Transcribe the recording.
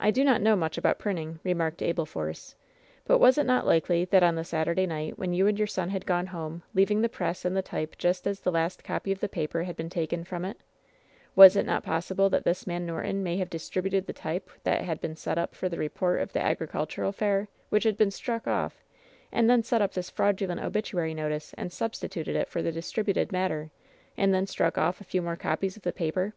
"I do not know much about printing," remarked Abel Force ; "but was it not likely that on the Saturday night, when you and your son had gone home, leaving the press and the type just as the last copy of the paper had been taken from it, was it not possible that this man Norton may have distributed the type that had been set up for the report of the agricultural fair which had been struck off, and then set up this fraudulent obituary notice and substituted it for the distributed matter, and then struck off a few more copies of the paper